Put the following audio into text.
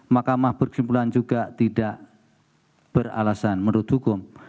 makamah berkesimpulan juga tidak berlasan berdukung